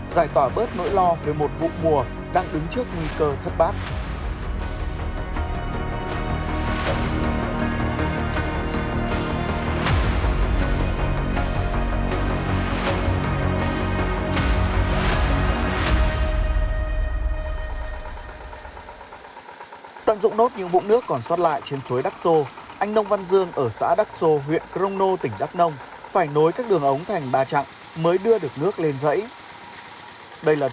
giải tỏa bớt nỗi lo về một vụ mùa đang đứng trước nguy cơ thất bát